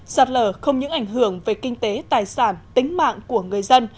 sạt lở không những ảnh hưởng về kinh tế tài sản tính mạng của người dân